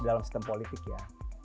dalam sistem politiknya